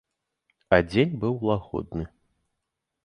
А дзень быў лагодны.